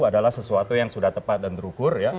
adalah sesuatu yang sudah tepat dan terukur ya